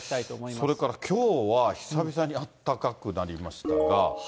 それからきょうは久々にあったかくなりましたが。